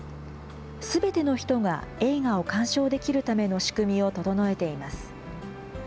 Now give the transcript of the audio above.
すべての人が映画を鑑賞できるための仕組みを整えています。